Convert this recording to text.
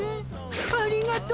ありがとう。